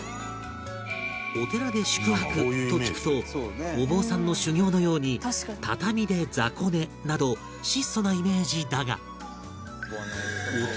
「お寺で宿泊」と聞くとお坊さんの修行のように畳で雑魚寝など質素なイメージだが